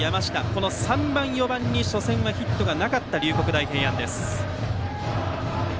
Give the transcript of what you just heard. この３番、４番に初戦はヒットがなかった龍谷大平安です。